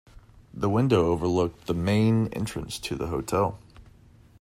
The window overlooked the main entrance to the hotel.